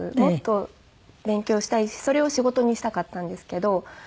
もっと勉強したいしそれを仕事にしたかったんですけど。